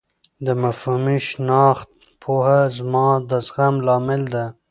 د مفهومي شناخت پوهه زما د زغم لامل ده.